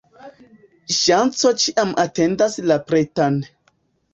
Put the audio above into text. Ŝanco ĉiam atendas la pretan.